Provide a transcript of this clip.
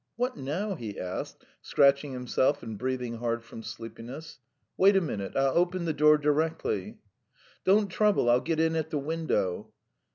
"What now?" he asked, scratching himself and breathing hard from sleepiness. "Wait a minute; I'll open the door directly." "Don't trouble; I'll get in at the window.